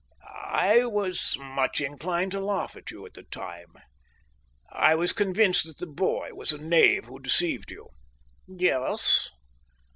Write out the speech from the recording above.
"I was much inclined to laugh at you at the time. I was convinced that the boy was a knave who deceived you." "Yes?"